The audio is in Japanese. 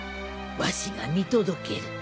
わしが見届ける。